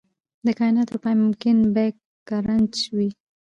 د کائنات پای ممکن بیګ کرنچ وي.